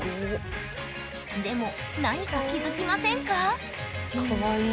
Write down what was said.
でも何か気付きませんか？